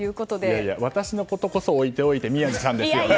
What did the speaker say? いやいや、私のことこそ置いておいて宮司さんですよね。